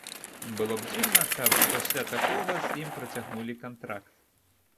Было б дзіўна, каб пасля такога з ім працягнулі кантракт.